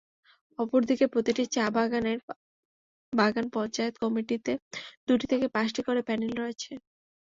অপরদিকে প্রতিটি চা-বাগানের বাগান পঞ্চায়েত কমিটিতে দুই থেকে পাঁচটি করে প্যানেল রয়েছে।